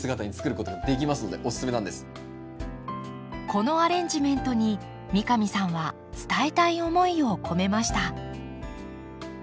このアレンジメントに三上さんは伝えたい思いを込めました。